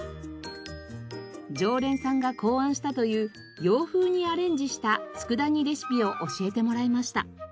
常連さんが考案したという洋風にアレンジした佃煮レシピを教えてもらいました。